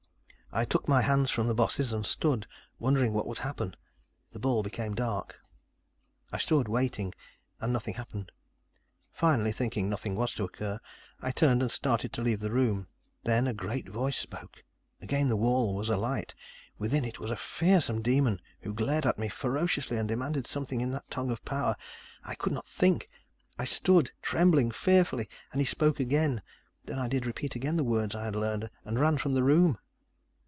I took my hands from the bosses and stood, wondering what would happen. The ball became dark. "I stood, waiting. And nothing happened. Finally, thinking nothing was to occur, I turned and started to leave the room. Then, a great voice spoke. Again, the wall was alight. Within it was a fearsome demon who glared at me ferociously and demanded something in that tongue of power. I could not think. I stood, trembling fearfully. And he spoke again. Then did I repeat again the words I had learned, and ran from the room.